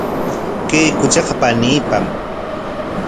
Kay kuchiqa paniipam.